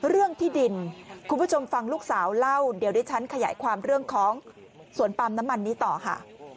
เรื่องที่ดินคุณผู้ชมฟังลูกสาวเล่าเดี๋ยวดิฉันขยายความเรื่องของสวนปั๊มน้ำมันนี้ต่อค่ะ